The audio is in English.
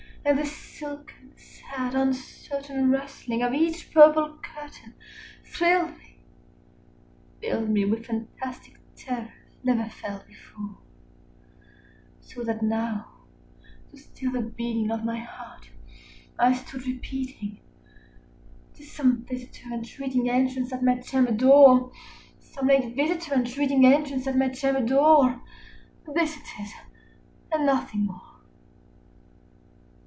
And the silken sad uncertain rustling of each purple curtain Thrilled me filled me with fantastic terrors never felt before; So that now, to still the beating of my heart, I stood repeating 15 "'T is some visitor entreating entrance at my chamber door, Some late visitor entreating entrance at my chamber door: This it is and nothing more."